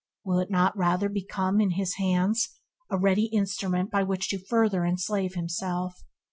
Will it not rather become, in his hands, a ready instrument by which to further enslave himself?